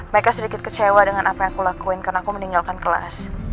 mereka sedikit kecewa dengan apa yang aku lakuin karena aku meninggalkan kelas